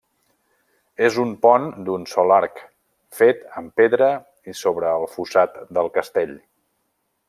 És un pont d'un sol arc, fet amb pedra i sobre el fossat del castell.